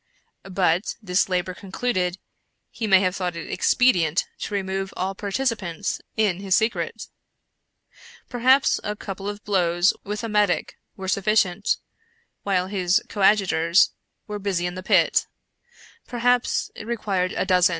But this labor concluded, he may have thought it expedient to remove all participants in his secret. Per haps a couple of blows with a mattock were sufificient, while his coadjutors were busy in the pit; perhaps it required a dozen — who shall tell